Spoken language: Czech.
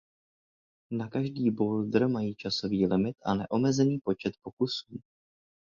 Na každý boulder mají časový limit a neomezený počet pokusů.